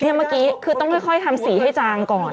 เมื่อกี้คือต้องค่อยทำสีให้จางก่อน